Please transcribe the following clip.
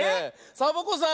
サボ子さん